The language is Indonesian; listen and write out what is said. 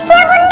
iya bener bu